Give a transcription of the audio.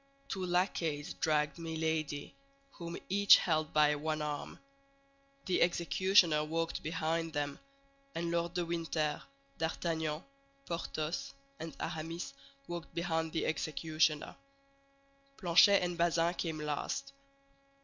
Two lackeys dragged Milady, whom each held by one arm. The executioner walked behind them, and Lord de Winter, D'Artagnan, Porthos, and Aramis walked behind the executioner. Planchet and Bazin came last.